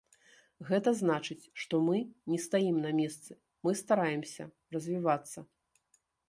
Гэта значыць, што мы не стаім на месцы, мы стараемся развівацца.